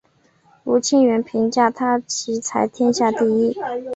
吴清源评价他棋才天下第一。